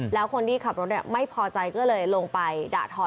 แล้วคนที่ขับรถไม่พอใจก็เลยลงไปด่าทอ